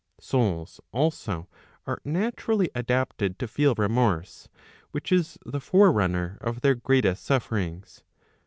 Souls also are naturally adapted to feel remorse, which is the forerunner of their greatest sufferings.